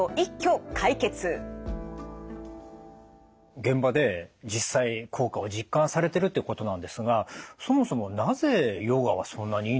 現場で実際効果を実感されてるということなんですがそもそもなぜヨガはそんなにいいんでしょうか？